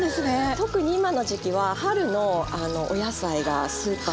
特に今の時期は春のお野菜がスーパーに並んでる。